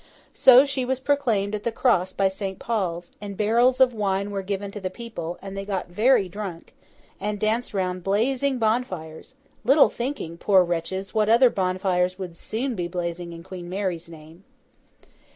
So, she was proclaimed at the Cross by St. Paul's, and barrels of wine were given to the people, and they got very drunk, and danced round blazing bonfires—little thinking, poor wretches, what other bonfires would soon be blazing in Queen Mary's name.